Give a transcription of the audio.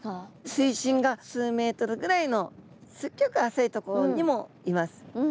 水深が数ｍぐらいのすっギョく浅い所にもいます。